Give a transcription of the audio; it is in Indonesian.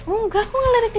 enggak aku cuma ngeliatin kamu